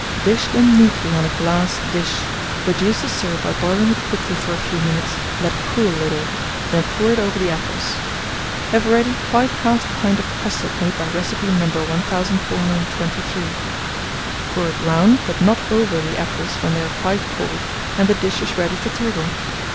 Dish them neatly on a glass dish, reduce the syrup by boiling it quickly for a few minutes, let it cool a little; then pour it over the apples. Have ready quite 1/2 pint of custard made by recipe No. 1423; pour it round, but not over, the apples when they are quite cold, and the dish is ready for table.